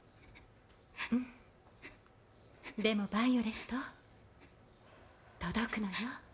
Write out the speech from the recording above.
うん、でもヴァイオレット届くのよ。